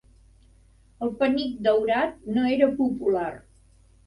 El penic daurat no era popular.